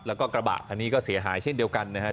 แล้วก็กระบะคันนี้ก็เสียหายเช่นเดียวกันนะครับ